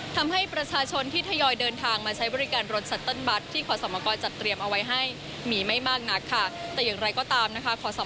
ทำให้ประชาชนที่ทยอยเดินทางมาใช้บริการรถชัดเติ้ลบัส